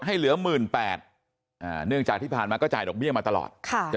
ให้เหลือหมื่นแปดเนื่องจากที่ผ่านมาก็จ่ายดอกเบี้ยมาตลอดใช่